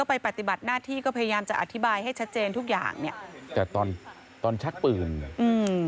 ไปปฏิบัติหน้าที่ก็พยายามจะอธิบายให้ชัดเจนทุกอย่างเนี้ยแต่ตอนตอนชักปืนอืม